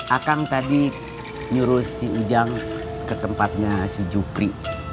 akang tadi nyurus si ijang ke tempatnya si jupri